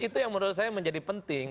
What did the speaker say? itu yang menurut saya menjadi penting